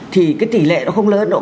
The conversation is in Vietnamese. thì cái tỷ lệ nó không lớn đâu